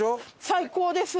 最高です。